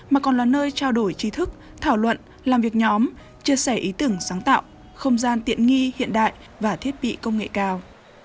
mà còn là nơi trao đổi trí thức thảo luận làm việc nhóm chia sẻ ý tưởng sáng tạo không gian tiện nghi hiện đại và thiết bị công nghệ cao